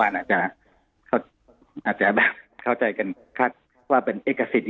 คือเมื่อวานอาจจะเข้าใจกันค่ะว่าเป็นเอกสิทธิ์